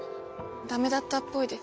駄目だったっぽいです。